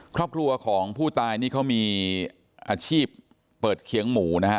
ครอบครัวของผู้ตายนี่เขามีอาชีพเปิดเคียงหมูนะฮะ